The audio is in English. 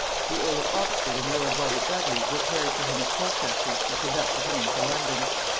The earl of Oxford and lord Robert Dudley repaired to him at Colchester and conducted him into London.